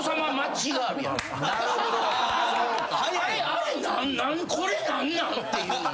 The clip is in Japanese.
あれこれ何なん？っていう。